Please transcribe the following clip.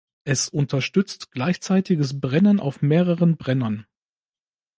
Es unterstützt gleichzeitiges Brennen auf mehreren Brennern.